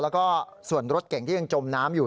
แล้วก็ส่วนรถเก่งที่ยังจมน้ำอยู่